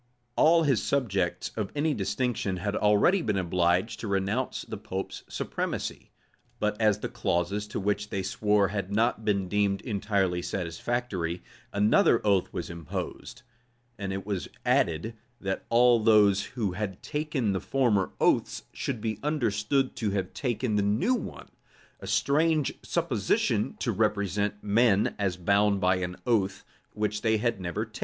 All his subjects of any distinction had already been obliged to renounce the pope's supremacy; but as the clauses to which they swore had not been deemed entirely satisfactory, another oath was imposed; and it was added, that all those who had taken the former oaths should be understood to have taken the new one;[] a strange supposition to represent men as bound by an oath which they had never taken.